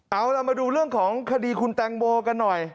เอาล่ะมาดูเรื่องของคดีคุณแตงโมกันหน่อย